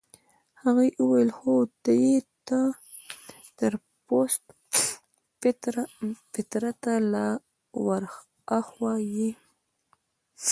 هغې وویل: هو ته يې، ته تر پست فطرته لا ورهاخوا يې.